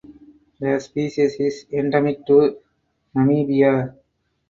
The species is endemic to Namibia.